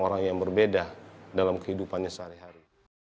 orang yang berbeda dalam kehidupannya sehari hari